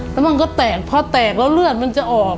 แล้วมันก็แตกพอแตกแล้วเลือดมันจะออก